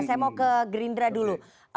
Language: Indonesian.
saya mau ke gerindra dulu